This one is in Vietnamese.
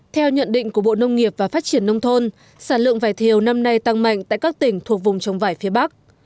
theo nhận định của bộ nông nghiệp và phát triển nông thôn sản lượng vải thiều năm nay tăng mạnh tại các tỉnh thuộc vùng trồng vải phía bắc